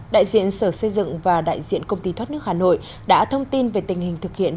đại diện sở xây dựng và đại diện công ty thoát nước hà nội đã thông tin về tình hình thực hiện